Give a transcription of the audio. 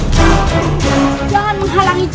lalu lakukan itu